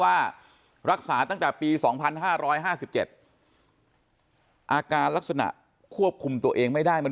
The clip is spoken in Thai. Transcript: ว่ารักษาตั้งแต่ปี๒๕๕๗อาการลักษณะควบคุมตัวเองไม่ได้มัน